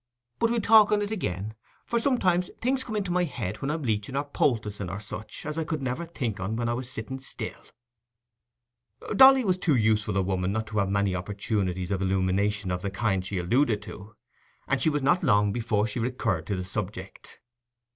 But we'll talk on it again; for sometimes things come into my head when I'm leeching or poulticing, or such, as I could never think on when I was sitting still." Dolly was too useful a woman not to have many opportunities of illumination of the kind she alluded to, and she was not long before she recurred to the subject.